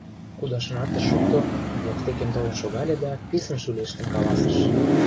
Кудашынат ыш шукто, воктекем толын шогале да писын шӱлештын каласыш: